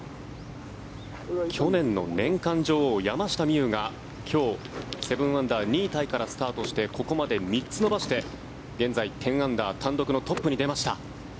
去年の年間女王、山下美夢有が今日、７アンダー２位タイからスタートしてここまで３つ伸ばして現在、１０アンダー単独のトップに出ました。